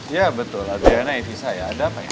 ya betul adriana evisa ya ada apa ya